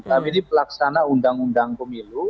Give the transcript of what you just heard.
kami ini pelaksana undang undang pemilu